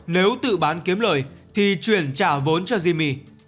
nếu tự bán kiếm lời thì chuyển trả vốn cho zimi